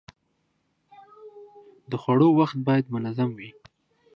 د خوړو وخت باید منظم وي.